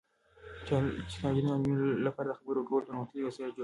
ټیکنالوژي د معلولینو لپاره د خبرو کولو پرمختللي وسایل جوړ کړي دي.